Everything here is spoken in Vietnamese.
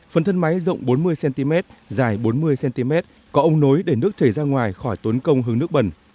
phần thân máy rộng bốn mươi cm dài bốn mươi cm có ống nối để nước chảy ra ngoài khỏi tốn công hướng nước bẩn